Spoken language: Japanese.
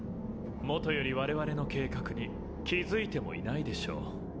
もとより我々の計画に気付いてもいないでしょう。